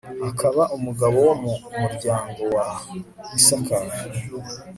akaba umugabo wo mu muryango wa isakari